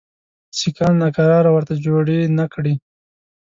سیکهان ناکراري ورته جوړي نه کړي.